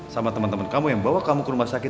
sama teman teman kamu yang bawa kamu ke rumah sakit